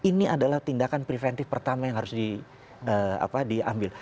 ini adalah tindakan preventif pertama yang harus diambil